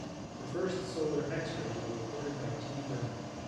The first solar X-rays were recorded by T. Burnight.